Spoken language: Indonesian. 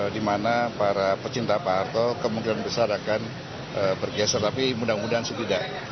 di mana para pecinta pak harto kemungkinan besar akan bergeser tapi mudah mudahan tidak